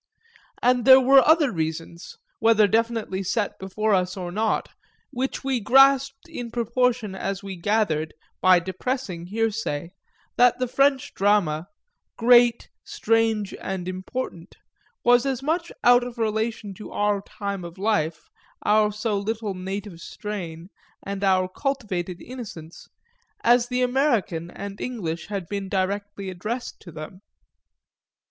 And there were other reasons, whether definitely set before us or not, which we grasped in proportion as we gathered, by depressing hearsay, that the French drama, great, strange and important, was as much out of relation to our time of life, our so little native strain and our cultivated innocence, as the American and English had been directly addressed to them.